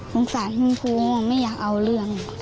สงสารคุณครูไม่อยากเอาเรื่อง